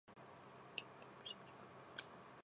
電電ムシムシかたつむり